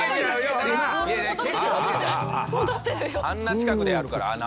あんな近くでやるから。